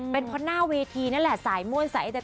ผลโต้กล้าสายม่วนสายเแธทเลน์